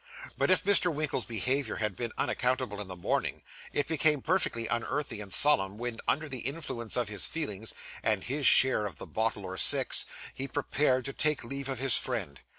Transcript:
But, if Mr. Winkle's behaviour had been unaccountable in the morning, it became perfectly unearthly and solemn when, under the influence of his feelings, and his share of the bottle or six, he prepared to take leave of his friend.